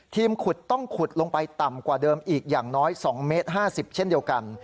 ขุดต้องขุดลงไปต่ำกว่าเดิมอีกอย่างน้อย๒เมตร๕๐เช่นเดียวกัน